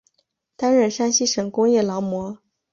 担任山西省工业劳模。